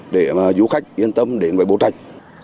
để du khách yên tâm đến với bộ trạch